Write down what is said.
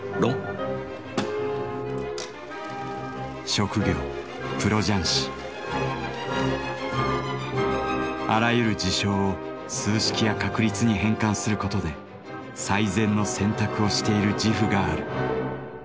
職業あらゆる事象を数式や確率に変換することで最善の選択をしている自負がある。